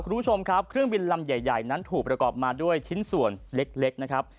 คุณผู้ชมครับเครื่องบินลำใหญ่นั้นถูกประกอบมาด้วยชิ้นส่วนเล็กนะครับ